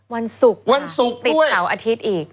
วันศุกร์ติดเสาร์อาทิตย์อีก